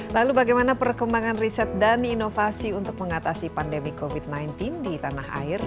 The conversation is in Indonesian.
lalu bagaimana perkembangan riset dan inovasi untuk mengatasi pandemi covid sembilan belas di tanah air